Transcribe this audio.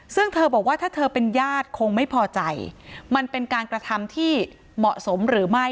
ซึ่งเธอบอกว่าถ้าเธอเป็นญาติคงไม่พอใจมันเป็นการกระทำที่เหมาะสมหรือไม่